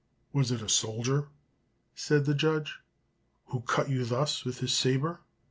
"Was it a soldier," said the judge, "who cut you thus with his sabre?"